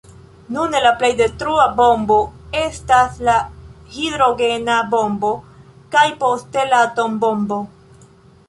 Nune la plej detrua bombo estas la hidrogena bombo kaj poste la atombombo.